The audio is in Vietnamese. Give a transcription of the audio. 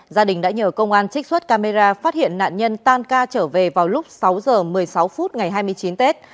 gia đình đã nhờ công an trích xuất camera phát hiện nạn nhân tan ca trở về vào lúc sáu h một mươi sáu phút ngày hai mươi chín tết